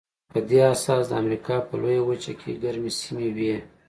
په دې اساس د امریکا په لویه وچه کې ګرمې سیمې وې.